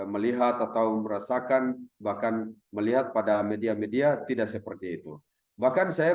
melihat atau merasakan bahkan melihat pada media media tidak seperti itu bahkan saya